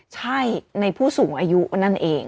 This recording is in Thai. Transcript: ใช่ในผู้สูงอายุนั่นเอง